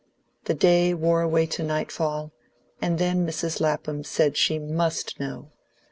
The day wore away to nightfall, and then Mrs. Lapham said she MUST know.